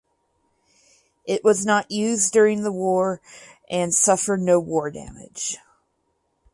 It was not used during the war and suffered no war damage.